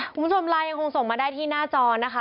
คุณผู้ชมไลน์ยังคงส่งมาได้ที่หน้าจอนะคะ